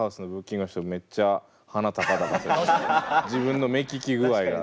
多分自分の目利き具合が。